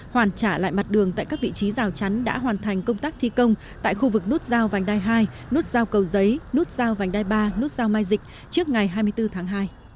hoàn trả lại mặt đường tại các vị trí rào chắn đã hoàn thành công tác thi công tại khu vực nút giao vành đai hai nút giao cầu giấy nút giao vành đai ba nút giao mai dịch trước ngày hai mươi bốn tháng hai